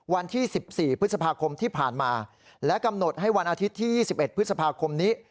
วันที่๑๔พฤษภาคมที่ผ่านมาและกำหนดให้วันอาทิตย์ที่๒๑พฤษภาคมนี้